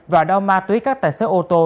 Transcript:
và đòi ma túy các tài xế ô tô